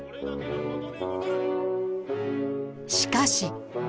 しかし。